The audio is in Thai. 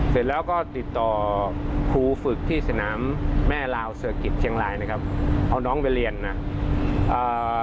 เสร็จแล้วก็ติดต่อครูฝึกที่สนามแม่ลาวเสือกิจเชียงรายนะครับเอาน้องไปเรียนนะอ่า